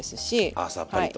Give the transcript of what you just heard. あさっぱりと。